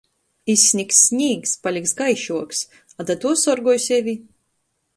Izsnigs snīgs, paliks gaišuoks, a da tuo sorgoj sevi!